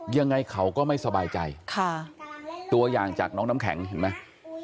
ยังไงเขาก็ไม่สบายใจค่ะตัวอย่างจากน้องน้ำแข็งเห็นไหม